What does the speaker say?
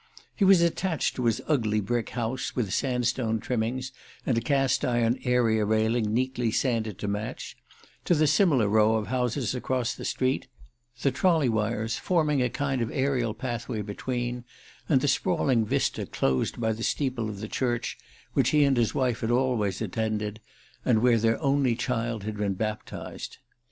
He was attached to his ugly brick house with sandstone trimmings and a cast iron area railing neatly sanded to match; to the similar row of houses across the street, the "trolley" wires forming a kind of aerial pathway between, and the sprawling vista closed by the steeple of the church which he and his wife had always attended, and where their only child had been baptized.